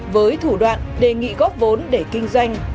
với thủ đoạn đề nghị góp vốn để kinh doanh